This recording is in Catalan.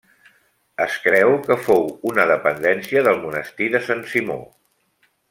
Es creu que fou una dependència del monestir de Sant Simó.